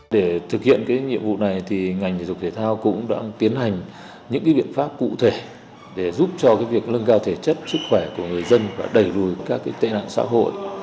để thực hiện nhiệm vụ này thì ngành thể dục thể thao cũng đã tiến hành những biện pháp cụ thể để giúp cho việc lân cao thể chất sức khỏe của người dân và đẩy lùi các tệ nạn xã hội